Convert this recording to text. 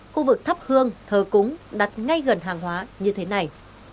khu vực thắp hương thờ cúng đặt ngay gần hàng hóa như thế này